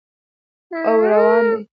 او روان دي